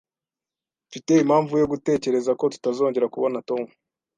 Mfite impamvu yo gutekereza ko tutazongera kubona Tom.